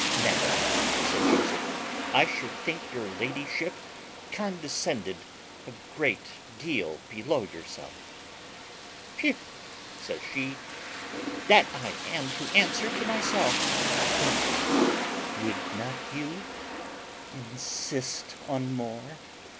"Madam," said Joseph, "I should think your ladyship condescended a great deal below yourself." "Pugh!" said she; "that I am to answer to myself: but would not you insist on more?